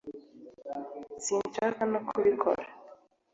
sinshaka no kubikora